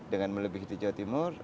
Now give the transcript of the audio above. dengan melebihi jawa timur